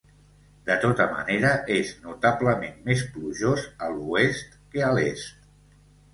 De tota manera, és notablement més plujós a l'oest que a l'est.